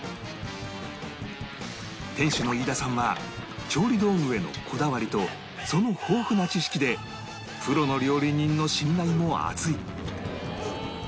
店主の飯田さんは調理道具へのこだわりとその豊富な知識でプロの料理人の信頼も厚い